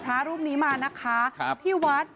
พระรูปนี้มานะคะที่วัด